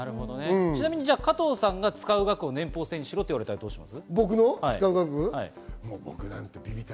ちなみに加藤さんが使う額を年俸制にしろって言ったらどうします？